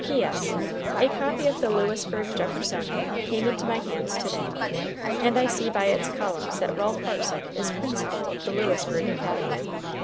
P.S. A copy of the Lewisburg Jeffersonian came into my hands to day, and I see by its columns that Ralph Hartsook is principal of the Lewisburg Academy.